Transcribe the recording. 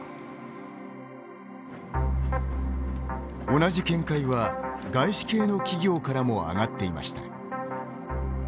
同じ見解は外資系の企業からも上がっていました。